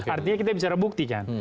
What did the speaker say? artinya kita bicara bukti kan